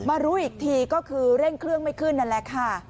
รู้อีกทีก็คือเร่งเครื่องไม่ขึ้นนั่นแหละค่ะ